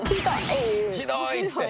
「ひどい！」っつって。